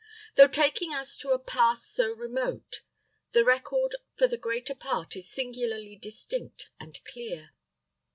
Though taking us to a past so remote, the record for the greater part is singularly distinct and clear.